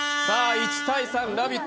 １対３「ラヴィット！」